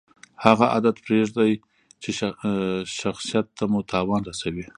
هغه عادت پرېږدئ، چي شخصت ته مو تاوان رسوي.